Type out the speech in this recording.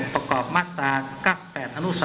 ประกอบมาตรา๙๘อนุ๓